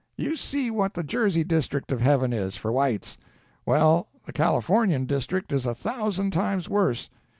You see what the Jersey district of heaven is, for whites; well, the Californian district is a thousand times worse.